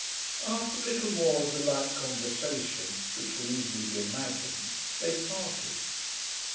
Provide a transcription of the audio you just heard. After a little more of the like conversation, which will easily be imagined, they parted.